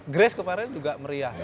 grace kemarin juga meriah